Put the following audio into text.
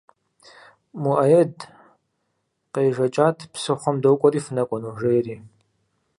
Муаед къежэкӏат «Псыхъуэм докӏуэри, фынэкӏуэну?» жери.